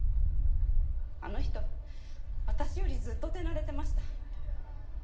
あの人私よりずっと手慣れてました。